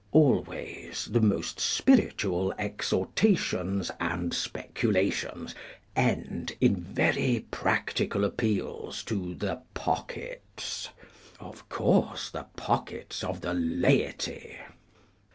Always the most spiritual exhortations and speculations end in very practical appeals to the pockets—of course the pockets of the laity.